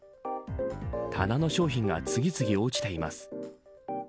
棚の商品が次々落ちています。